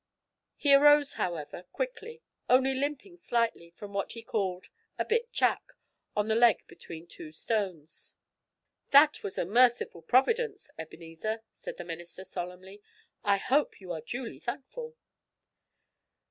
He arose, however, quickly only limping slightly from what he called a 'bit chack' on the leg between two stones. 'That was a merciful providence, Ebenezer,' said the minister, solemnly; 'I hope you are duly thankful!'